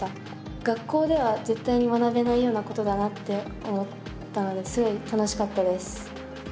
学校では絶対に学べないようなことだなって思ったのですごい楽しかったです。